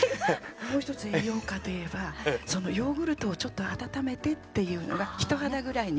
もう一つ栄養価といえばそのヨーグルトをちょっと温めてっていうのが人肌ぐらいに。